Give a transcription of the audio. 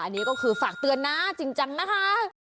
อันนี้ก็คือฝากเตือนนะจริงจังนะคะ